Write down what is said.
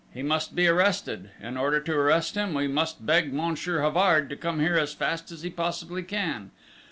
He must be arrested. In order to arrest him, we must beg Monsieur Havard to come here as fast as he possibly can!